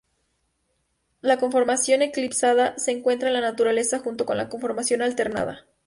La conformación eclipsada se encuentra en la naturaleza junto con la conformación alternada.